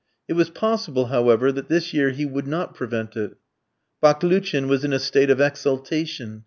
It was possible, however, that this year he would not prevent it. Baklouchin was in a state of exultation.